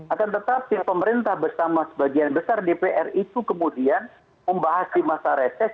akan tetapi pemerintah bersama sebagian besar dpr itu kemudian membahas di masa reses